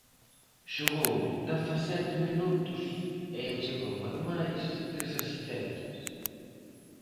Xogou dezasete minutos e achegou, ademais, tres asistencias.